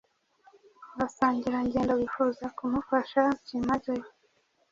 Abasangirangendo bifuza kumufasha byimazeyo